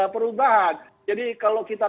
perubahan jadi kalau kita